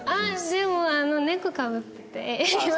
でも猫かぶってて今。